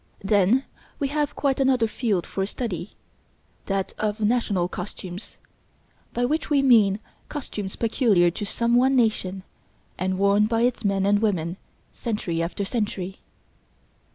Then we have quite another field for study, that of national costumes, by which we mean costumes peculiar to some one nation and worn by its men and women century after century.